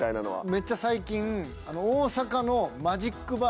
めっちゃ最近。